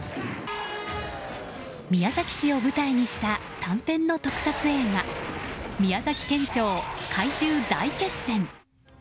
宮崎市を舞台にした短編の特撮映画「宮崎県庁怪獣大作戦」。